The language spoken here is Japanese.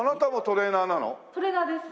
トレーナーです。